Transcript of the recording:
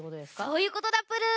そういうことだプル。